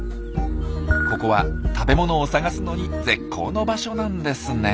ここは食べ物を探すのに絶好の場所なんですね。